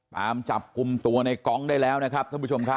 ตามจับกลุ่มตัวในกองได้แล้วนะครับท่านผู้ชมครับ